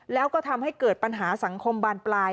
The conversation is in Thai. แล้วก็ทำให้เกิดปัญหาสังคมบานปลาย